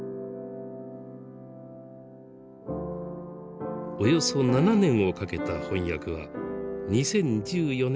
およそ７年をかけた翻訳は２０１４年に完成。